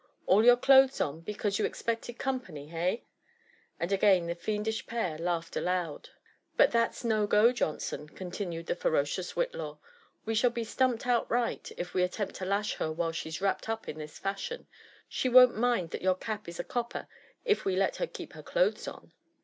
AH your clothes on, because you 6xpecte<f company — hey?'' And again the fiendish pair laughed loud. But that's no go, Johnson," continued the ferocioiis Whitlaw. We shall be stumped outright if we attempt to lash her while she's wrapped up this fashion — she won't mind your cat a copper if we let her keep her clothes on."